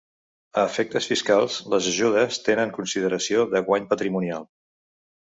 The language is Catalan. A efectes fiscals, les ajudes tenen consideració de guany patrimonial.